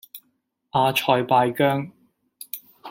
阿塞拜疆